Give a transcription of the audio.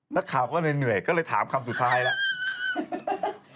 นักข่าวก็เลยเหนื่อยก็เลยถามคำสุดท้ายแล้ว